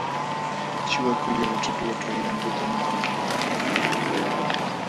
Chiwakullam ćhaklaaćhu ayraputa mikun.